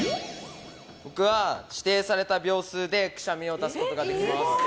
僕は指定された秒数でくしゃみを出すことができます。